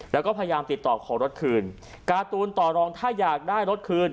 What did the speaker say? แล้วก็พยายามติดต่อขอรถคืนการ์ตูนต่อรองถ้าอยากได้รถคืน